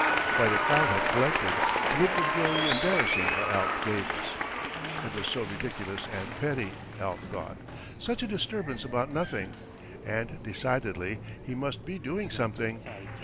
Quite a crowd had collected, and it was growing embarrassing for Alf Davis. It was so ridiculous and petty, Alf thought. Such a disturbance about nothing! And, decidedly, he must be doing something.